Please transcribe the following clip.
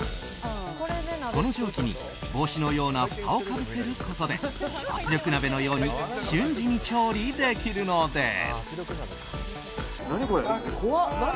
この蒸気に帽子のようなふたをかぶせることで圧力鍋のように瞬時に調理できるのです。